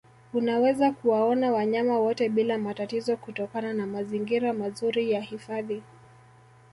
Unaweza kuwaona wanyama wote bila matatizo kutokana na mazingira mazuri ya hifadhi